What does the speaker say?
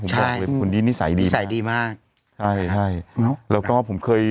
ผมบอกเลยคนนี้นิสัยดีนิสัยดีมากใช่ใช่แล้วก็ผมเคย